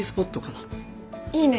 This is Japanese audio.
いいね。